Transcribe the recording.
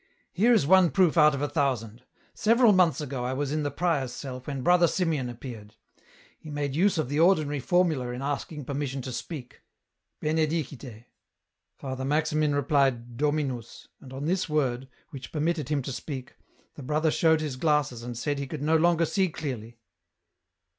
Here is one proof out of a thousand. Several months ago I was in the prior's cell when Brother Simeon appeared. He made use of the ordinary formula in asking permission to speak, ' Benedicite.' Father Maxi min replied ' Dominus,' and on this word, which permitted him to speak, the brother showed his glasses and said he could no longer see clearly.